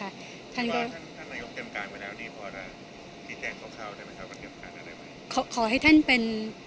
นายกรรมเตรียมการไปแล้วดีพอแล้วพี่แจ้งเขาเข้าได้ไหมคะการเตรียมการนั้นได้ไหมขอให้ท่านเป็น